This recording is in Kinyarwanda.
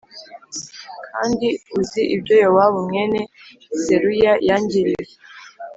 “Kandi uzi ibyo Yowabu mwene Seruya yangiriye